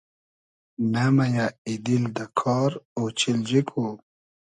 نۂ مئیۂ ای دیل دۂ کار ، اۉچیلجی کو